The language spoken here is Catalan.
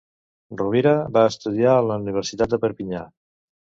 Rovira va estudiar a la Universitat de Perpinyà.